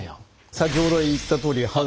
先ほど言ったとおり歯が。